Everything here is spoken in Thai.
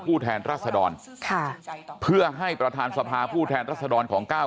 แทนรัศดรค่ะเพื่อให้ประธานสภาผู้แทนรัศดรของก้าว